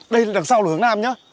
đây là đằng sau là hướng nam nhá